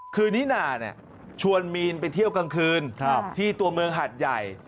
คือนิน่าชวนมีนไปเที่ยวกลางคืนที่ตัวเมืองหัดใหญ่